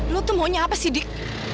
lu tuh maunya apa sih dik